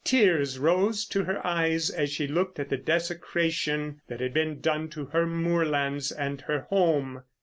Tears rose to her eyes as she looked at the desecration that had been done to her moorlands and her home.